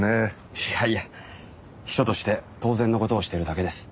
いやいや秘書として当然の事をしているだけです。